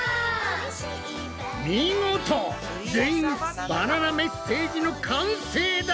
見事全員バナナメッセージの完成だ！